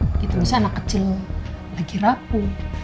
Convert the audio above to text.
saya anak kecil lagi rapuh